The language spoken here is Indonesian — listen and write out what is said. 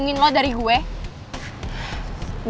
kita udah bugs